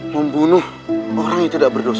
membunuh orang yang tidak berdosa